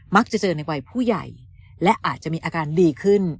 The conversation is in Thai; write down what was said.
จะเจอในวัยผู้ใหญ่และอาจจะมีอาการดีขึ้น